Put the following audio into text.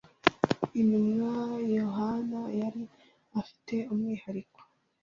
Intumwa Yohana yari afite umwihariko